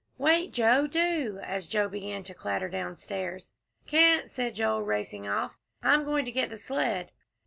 "Wait, Joe do," as Joel began to clatter downstairs. "Can't," said Joel, racing off, "I'm going to get the sled."